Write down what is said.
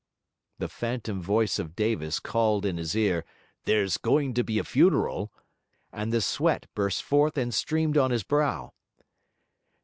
The phantom voice of Davis called in his ear: 'There's going to be a funeral' and the sweat burst forth and streamed on his brow.